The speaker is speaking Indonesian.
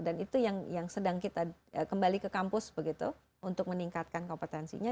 dan itu yang sedang kita kembali ke kampus begitu untuk meningkatkan kompetensinya